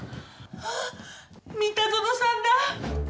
あっ三田園さんだ。